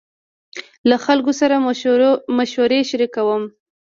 له خلکو سره مشورې شريکوم.